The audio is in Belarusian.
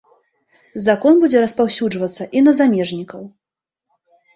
Закон будзе распаўсюджвацца і на замежнікаў.